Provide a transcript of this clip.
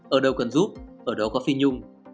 ở đâu cần giúp ở đó có phi nhung